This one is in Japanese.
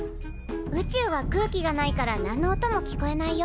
宇宙は空気がないから何の音も聞こえないよ。